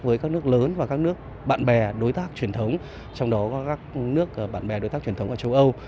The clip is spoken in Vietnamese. với các nước lớn và các nước bạn bè đối tác truyền thống trong đó có các nước bạn bè đối tác truyền thống ở châu âu